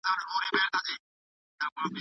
دولت باید د پانګوالو ملاتړ وکړي.